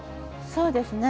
そうですね。